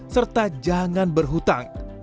serta jangan berhutang